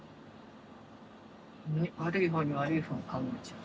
悪い方に悪い方に考えちゃう？